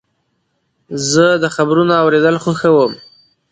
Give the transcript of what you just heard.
زه د خبرونو اورېدل خوښوم.